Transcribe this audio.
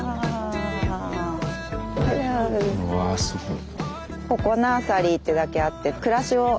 うわすごい。